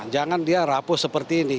jangan dia rapuh seperti ini